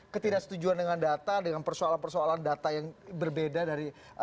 ketidaksetujuan dengan data dengan persoalan persoalan data yang berbeda dari